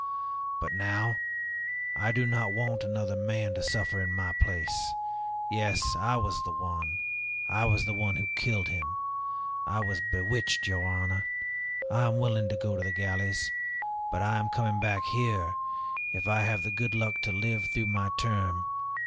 But now I do not want another man to suffer in my place. Yes, I was the one, I was the one who killed him! I was bewitched, your honor! I am willing to go to the galleys. But I am coming back here, if I have the good luck to live through my term.